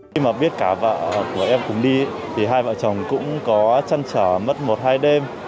khi mà biết cả vợ của em cùng đi thì hai vợ chồng cũng có chăn trở mất một hai đêm